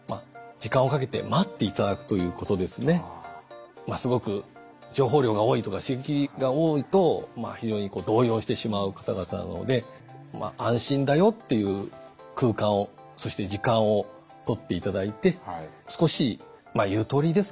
やはりすごく情報量が多いとか刺激が多いと非常に動揺してしまう方々なので安心だよっていう空間をそして時間をとっていただいて少しゆとりですかね